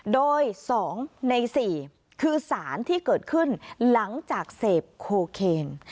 โดย๒ใน๔คือสารที่เกิดขึ้นหลังจากเสพโคเคน